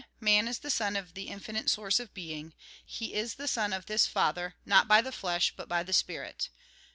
Man is the son of the Infinite Source of Being ; he is the son of this Father, not by the flesh but by the spirit.